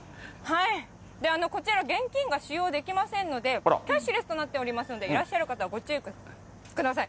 こちら現金が使用できませんので、キャッシュレスとなっていますので、いらっしゃる方、ご注意ください。